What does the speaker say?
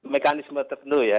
mekanisme tertentu ya